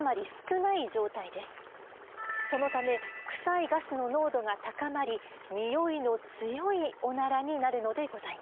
そのためクサいガスの濃度が高まりにおいの強いオナラになるのでございます。